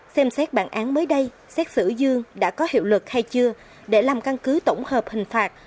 xem xét bản án mới đây xét xử dương đã có hiệu lực hay chưa để làm căn cứ tổng hợp hình phạt